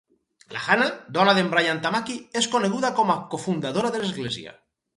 La Hannah, dona d'en Brian Tamaki, és coneguda com a cofundadora de l'església.